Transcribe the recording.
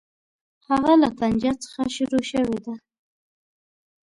هغه له طنجه څخه شروع شوې ده.